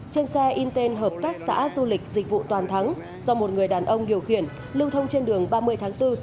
trên xe in tên hợp tác xã du lịch dịch vụ toàn thắng do một người đàn ông điều khiển lưu thông trên đường ba mươi tháng bốn